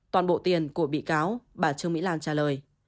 toàn bộ tiền của bị cáo bà trương mỹ lan trả lời